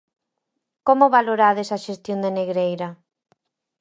Como valorades a xestión de Negreira?